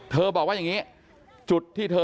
บอกว่าอย่างนี้จุดที่เธอ